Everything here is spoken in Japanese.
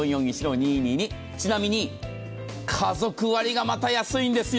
ちなみに、家族割がまた安いんですよ。